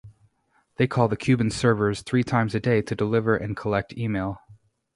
They call the Cuban servers three times a day to deliver and collect email.